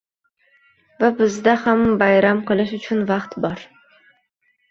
Va bizda hali bayram qilish uchun vaqt bor!